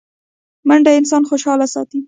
منډه انسان خوشحاله ساتي